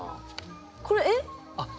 これえっ⁉